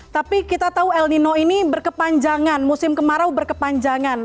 tapi kita tahu el nino ini berkepanjangan musim kemarau berkepanjangan